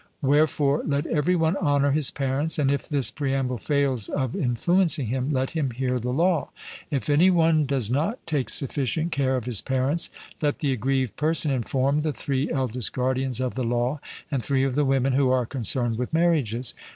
Wherefore let every one honour his parents, and if this preamble fails of influencing him, let him hear the law: If any one does not take sufficient care of his parents, let the aggrieved person inform the three eldest guardians of the law and three of the women who are concerned with marriages.